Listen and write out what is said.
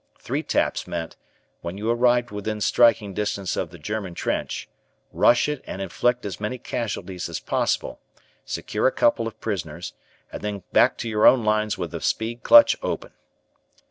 Three taps meant, when you arrived within striking distance of the German trench, rush it and inflict as many casualties as possible, secure a couple of prisoners, and then back to your own lines with the speed clutch open.